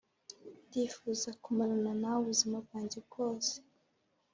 ndifuza kumarana nawe ubuzima bwanjye bwose